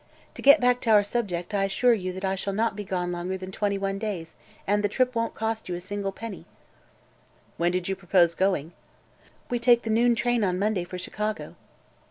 To get back to our subject, I assure you I shall not be gone longer than twenty one days, and the trip won't cost you a single penny." "When did you propose going?" "We take the noon train on Monday for Chicago."